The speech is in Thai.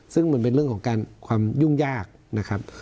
ซึ่งมันเป็นเรื่องของการความยุ่งยากนะครับ